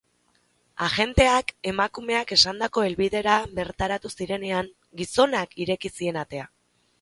Agenteak emakumeak esandako helbidera bertaratu zirenean, gizonak ireki zien atea.